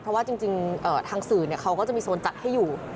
เพราะว่าจริงทางสื่อเขาก็จะมีโซนจัดให้อยู่